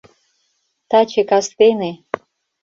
— Таче кастене.